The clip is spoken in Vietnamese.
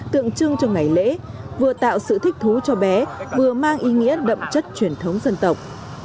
tượng trưng cho ngày lễ vừa tạo sự thích thú cho bé vừa mang ý nghĩa đậm chất truyền thống dân tộc